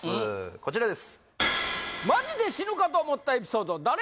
こちらですああ